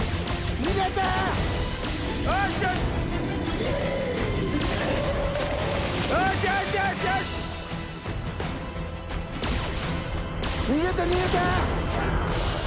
逃げて、逃げて！